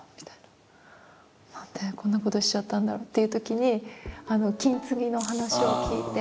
何でこんなことしちゃったんだろうっていうときに金継ぎの話を聞いて。